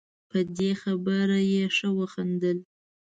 په دې خبره یې ښه وخندل.